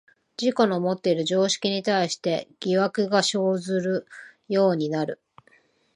自己のもっている常識に対して疑惑が生ずるようになる。